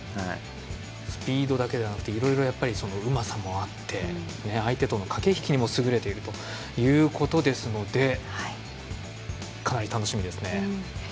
スピードだけではなくていろいろ、うまさもあって相手との駆け引きにも優れているということですのでかなり楽しみですね。